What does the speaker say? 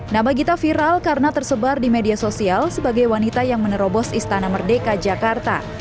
nama gita viral karena tersebar di media sosial sebagai wanita yang menerobos istana merdeka jakarta